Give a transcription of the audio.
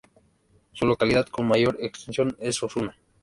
Su localidad con mayor extensión es Osuna.